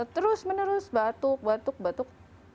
terus menerus batuk batuk batuk